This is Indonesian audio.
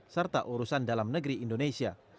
serta urusan dalam negeri indonesia